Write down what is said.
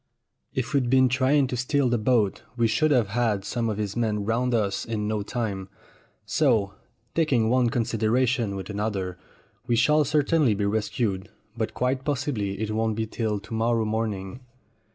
If we'd been trying to steal the boat we should have had some of his men round us in no time. So, taking one consideration with another, we 258 STORIES WITHOUT TEARS shall certainly be rescued, but quite possibly it won't be till to morrow morning."